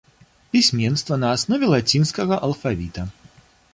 Пісьменства на аснове лацінскага алфавіта.